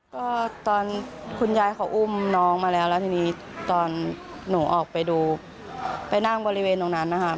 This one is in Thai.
ก็ตอนคุณยายเขาอุ้มน้องมาแล้วแล้วทีนี้ตอนหนูออกไปดูไปนั่งบริเวณตรงนั้นนะคะ